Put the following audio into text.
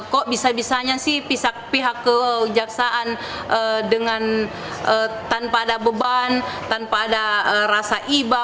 kok bisa bisanya sih pihak kejaksaan tanpa ada beban tanpa ada rasa iba